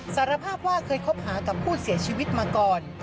สารภาพว่าเคยคบหากับผู้เสียชีวิตมาก่อน